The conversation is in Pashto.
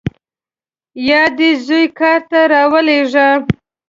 یا دې زوی کار ته راولېږه.